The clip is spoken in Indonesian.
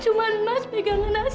cuma mas pegang kepadanya